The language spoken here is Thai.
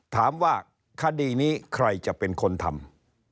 ถามว่าคดีนี้ใครจะเป็นคนทำ